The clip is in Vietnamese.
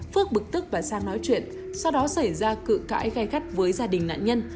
phước bực tức và sang nói chuyện sau đó xảy ra cự cãi gai gắt với gia đình nạn nhân